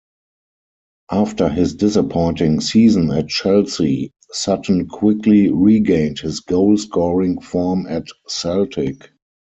After his disappointing season at Chelsea, Sutton quickly regained his goal-scoring form at Celtic.